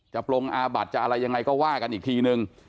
ปรงอาบัติจะอะไรยังไงก็ว่ากันอีกทีนึง